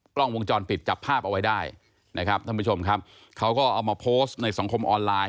กล้องวงจรปิดจับภาพเอาไว้ได้นะครับท่านผู้ชมครับเขาก็เอามาโพสต์ในสังคมออนไลน